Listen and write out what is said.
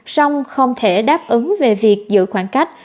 song không thể đáp ứng về việc giữ khoảng cách